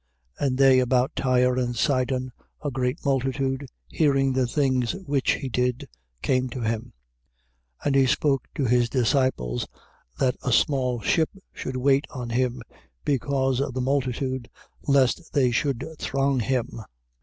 And they about Tyre and Sidon, a great multitude, hearing the things which he did, came to him. 3:9. And he spoke to his disciples that a small ship should wait on him, because of the multitude, lest they should throng him.